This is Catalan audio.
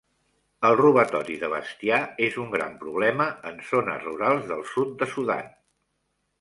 El robatori de bestiar és un gran problema en zones rurals del sud de Sudan.